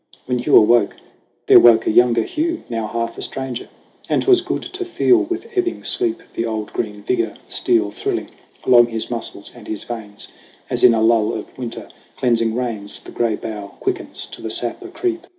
When Hugh awoke, there woke a younger Hugh, Now half a stranger ; and 'twas good to feel With ebbing sleep the old green vigor steal, Thrilling, along his muscles and his veins, As in a lull of winter cleansing rains The gray bough quickens to the sap a creep.